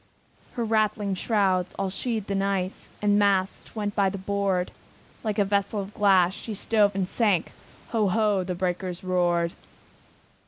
Her rattling shrouds, all sheathed in ice, With the masts went by the board; Like a vessel of glass, she stove and sank, Ho! ho! the breakers roared!